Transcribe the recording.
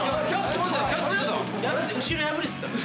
後ろ破れてた。